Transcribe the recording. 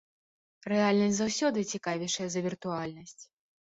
Рэальнасць заўсёды цікавейшая за віртуальнасць.